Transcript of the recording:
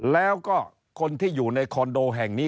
แล้วก็คนที่อยู่ในคอนโดแห่งนี้